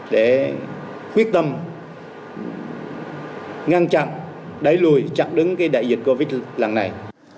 để quyết tâm ngăn chặn đẩy lùi chặn đứng đại diệt covid một mươi chín lần này